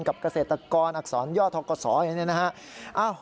เกษตรกรอักษรย่อทกศอย่างนี้นะฮะ